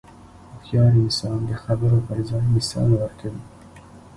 هوښیار انسان د خبرو پر ځای مثال ورکوي.